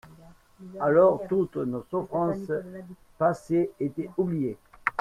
Alors toutes nos souffrances passées étaient oubliées.